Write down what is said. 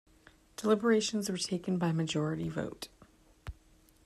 Deliberations were taken by majority vote.